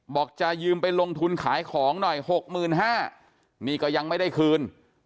บอกจะยืมไปลงทุนขายของหน่อย๖๕๐๐นี่ก็ยังไม่ได้คืน